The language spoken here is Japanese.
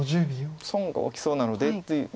損が大きそうなのでという。